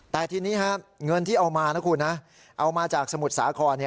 แต่ทีนี้เงินที่เอามานะคุณนะเอามาจากสมุทรสาคร